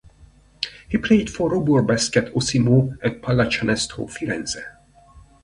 He played for Robur Basket Osimo and Pallacanestro Firenze.